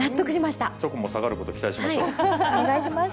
チョコも下がること、期待しお願いします。